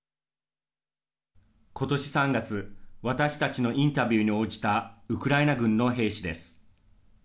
ことし３月、私たちのインタビューに応じたウクライナ軍の兵士です。